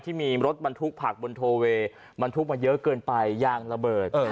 ที่มีรถบรรทุกผักบนโทเวย์บรรทุกมาเยอะเกินไปยางระเบิด